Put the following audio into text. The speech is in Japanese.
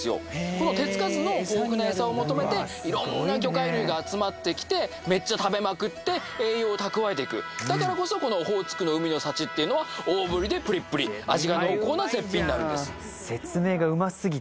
この手つかずの豊富な餌を求めて色んな魚介類が集まってきてめっちゃ食べまくって栄養を蓄えていくだからこそこのオホーツクの海の幸っていうのは大ぶりでプリップリ味が濃厚な絶品になるんです